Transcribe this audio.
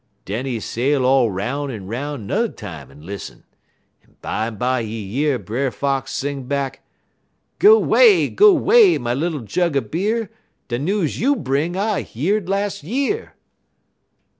_' Den he sail all 'roun' en 'roun' n'er time en listen, en bimeby he year Brer Fox sing back: "'_Go 'way, go 'way, my little jug er beer, De news you bring, I yeard las' year.